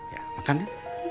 ya makan ya